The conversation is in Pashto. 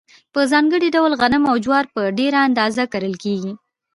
په ځانګړي ډول غنم او جوار په ډېره اندازه کرل کیږي.